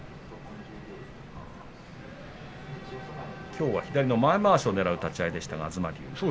きょうは左の前まわしをねらう立ち合いでした。